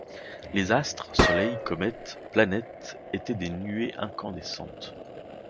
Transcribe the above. Les astres, soleil, comètes, planètes étaient des nuées incandescentes.